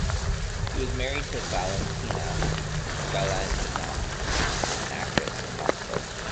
He was married to Valentina Galanina, an actress in Moscow.